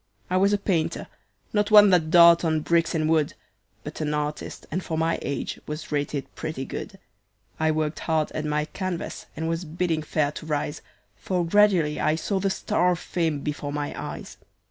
"I was a painter not one that daubed on bricks and wood, But an artist, and for my age, was rated pretty good. I worked hard at my canvas, and was bidding fair to rise, For gradually I saw the star of fame before my eyes.